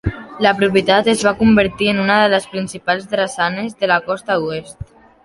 La propietat es va convertir en una de les principals drassanes de la costa oest.